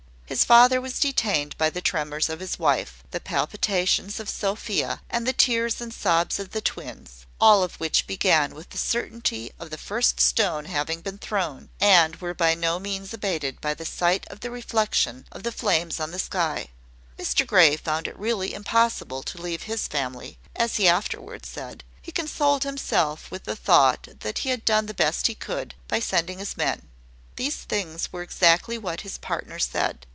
His father was detained by the tremors of his wife, the palpitations of Sophia, and the tears and sobs of the twins, all of which began with the certainty of the first stone having been thrown, and were by no means abated by the sight of the reflection of the flames on the sky. Mr Grey found it really impossible to leave his family, as he afterwards said. He consoled himself with the thought that he had done the best he could, by sending his men. These things were exactly what his partner said.